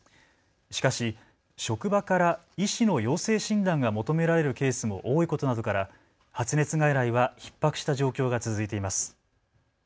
しかし職場から医師の陽性診断が求められるケースも多いことなどから発熱外来はひっ迫した状況が続いています。